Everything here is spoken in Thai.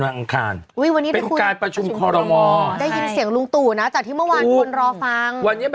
มันถามแบบเดี๋ยวพี่ไปไหน